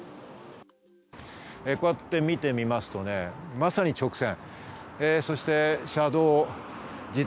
こうやってみてみますと、まさに直線。